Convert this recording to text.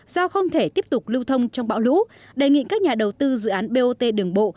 do không thể tiếp tục lưu thông trong bão lũ đề nghị các nhà đầu tư dự án bot đường bộ